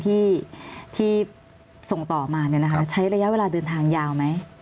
ที่ส่งต่อมาใช้ระยะเวลาเดินทางยาวไหม